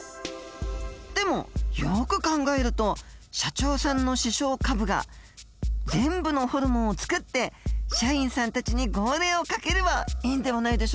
でもよく考えると社長さんの視床下部が全部のホルモンをつくって社員さんたちに号令をかければいいんではないでしょうか？